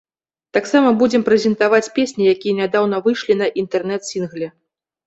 Таксама будзем прэзентаваць песні, якія нядаўна выйшлі на інтэрнэт-сінгле.